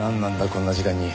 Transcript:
こんな時間に。